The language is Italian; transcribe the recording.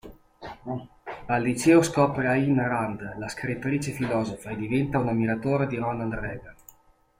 Al liceo scopre Ayn Rand, la scrittrice-filosofa, e diventa un ammiratore di Ronald Reagan.